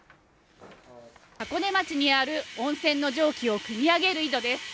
箱根町にある温泉の蒸気をくみ上げる井戸です。